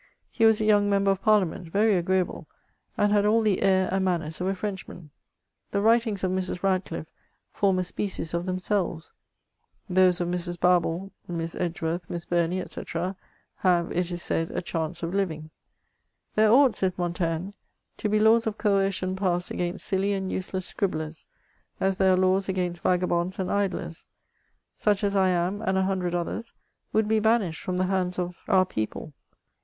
He was a young member of Parliament, very agreeable, and had all the air and manners of a Frenchman. The writings of Mrs. Rad cliffe form a species of themselves. Those of Mrs. Barbaold, Miss Edge worth. Miss Bumey, &c., have, it is said, a chance of living. "There ought," says Montaigne, "to be laws of coercion passed against silly and useless scribhlerSy as there are laws against vagabonds and idlers. Such as I am, and a hundred others, would be banished from the hands of our people.